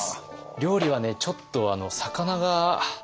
料理はねちょっと魚がなくて。